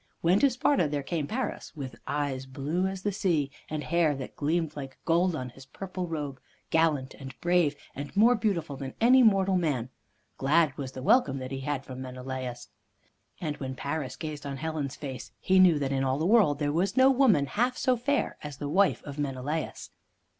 When to Sparta there came Paris, with eyes blue as the sea, and hair that gleamed like gold on his purple robe, gallant and brave, and more beautiful than any mortal man, glad was the welcome that he had from Menelaus. And when Paris gazed on Helen's face, he knew that in all the world there was no woman half so fair as the wife of Menelaus.